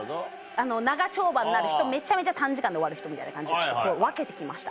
長丁場になる人めちゃめちゃ短時間で終わる人みたいな感じで分けて来ました。